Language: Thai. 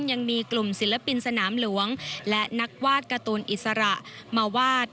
ยังมีกลุ่มศิลปินสนามหลวงและนักวาดการ์ตูนอิสระมาวาด